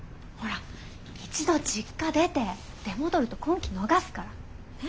ほら一度実家出て出戻ると婚期逃すから。ね。